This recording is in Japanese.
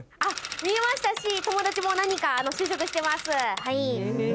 見えましたし友達も何人か就職してますハイ。